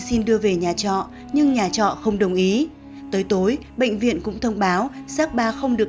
xin đưa về nhà trọ nhưng nhà trọ không đồng ý tới tối bệnh viện cũng thông báo xác ba không được